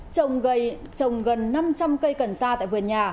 chồng gây chồng gần năm trăm linh cây cần sa tại vườn nhà